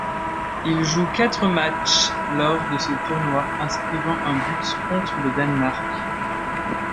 Il joue quatre matchs lors de ce tournoi, inscrivant un but contre le Danemark.